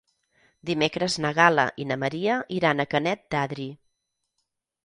Dimecres na Gal·la i na Maria iran a Canet d'Adri.